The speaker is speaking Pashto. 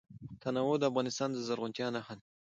تنوع د افغانستان د زرغونتیا نښه ده.